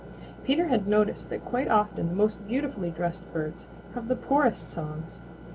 Peter had noticed that quite often the most beautifully dressed birds have the poorest songs.